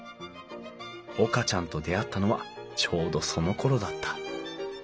岡ちゃんと出会ったのはちょうどそのころだった。